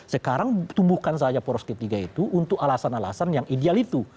sekarang tumbuhkan saja poros ketiga itu untuk alasan alasan yang ideal itu